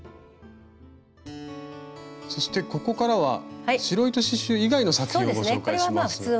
そしてここからは白糸刺しゅう以外の作品をご紹介します。